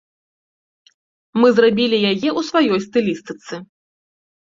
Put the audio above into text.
Мы зрабілі яе ў сваёй стылістыцы.